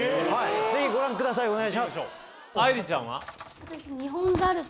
ぜひご覧ください。